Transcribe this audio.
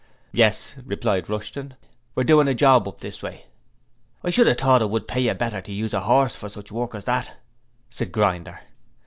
'Yes,' replied Rushton. 'We're doing a job up this way.' 'I should 'ave thought it would pay you better to use a 'orse for sich work as that,' said Grinder.